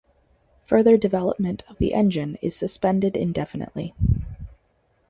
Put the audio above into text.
Further development of the engine is suspended indefinitely.